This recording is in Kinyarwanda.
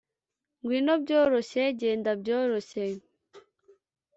ngwino byoroshye, genda byoroshye. ”